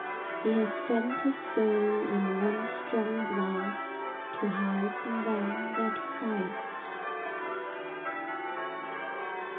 He has sent his soul in one strong blast, To hearten them that fight.